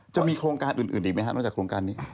จะมีโครงการอื่นอีกไหมครับนอกจากโครงการนี้